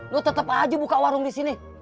lo tetep aja buka warung disini